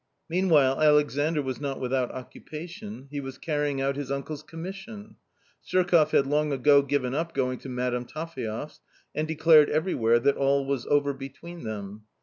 (Meanwhile Alexandr was not without occupation ; he was carrying out his uncle's commission. Surkoff had long ago given up going to Madame Taphaev's, and declared every where that all was over between them.